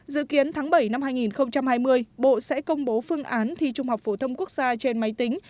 dự kiến tháng bảy năm hai nghìn hai mươi bộ sẽ công bố phương án thi trung học phổ thông quốc gia trên máy tính